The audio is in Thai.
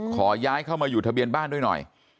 ขอย้ายเข้ามาอยู่ทะเบียนบ้านด้วยหน่อย